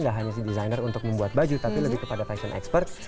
gak hanya si desainer untuk membuat baju tapi lebih kepada fashion expert